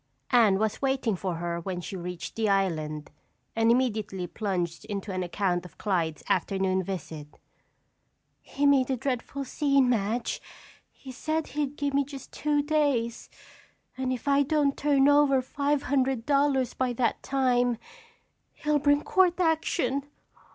Anne was waiting for her when she reached the island and immediately plunged into an account of Clyde's afternoon visit. "He made a dreadful scene, Madge. He said he'd give me just two days and if I don't turn over five hundred dollars by that time, he'll bring court action.